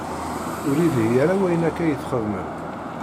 Ur ilhi ara wayen akka i txedmem.